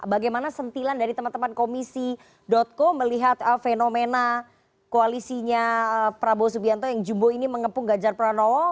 bagaimana sentilan dari teman teman komisi co melihat fenomena koalisinya prabowo subianto yang jumbo ini mengepung ganjar pranowo